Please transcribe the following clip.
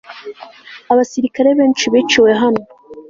abasirikare benshi biciwe hano